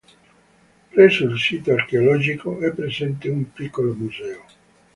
Presso il sito archeologico è presente un piccolo museo.